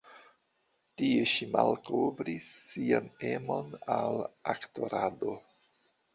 Tie ŝi malkovris sian emon al aktorado.